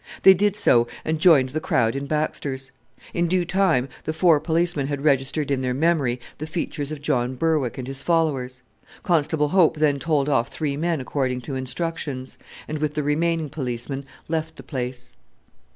They did so and joined the crowd in Baxter's. In due time the four policemen had registered in their memory the features of John Berwick and his followers. Constable Hope then told off three men according to instructions, and with the remaining policeman left the place.